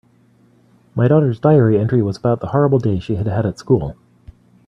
My daughter's diary entry was about the horrible day she had had at school.